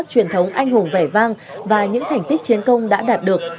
truyền thống anh hùng vẻ vang và những thành tích chiến công đã đạt được